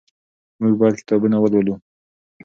موږ باید کتابونه ولولو.